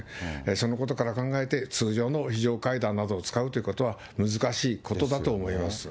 そのことから考えて通常の非常階段などを使うということは難しいことだと思います。